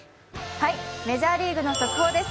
メジャーリーグの速報です。